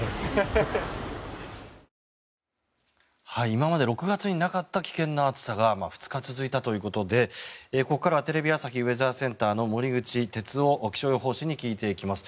今まで６月になかった危険な暑さが２日続いたということでここからはテレビ朝日ウェザーセンターの森口哲夫気象予報士に聞いていきます。